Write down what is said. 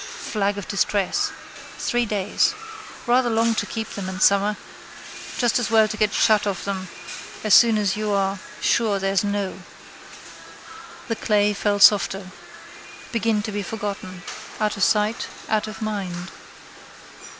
Flag of distress. Three days. Rather long to keep them in summer. Just as well to get shut of them as soon as you are sure there's no. The clay fell softer. Begin to be forgotten. Out of sight, out of mind.